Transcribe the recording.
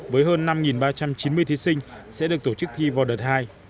với hơn năm ba trăm chín mươi thí sinh sẽ được tổ chức thi vào đợt hai